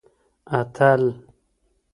اتل